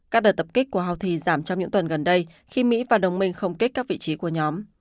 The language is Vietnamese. các đợt tập kích của houthi giảm trong những tuần gần đây khi mỹ và đồng minh không kích các vị trí của nhóm